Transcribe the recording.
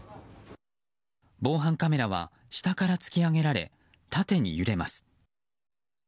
防犯カメラは下から突き上げられ縦に揺れます。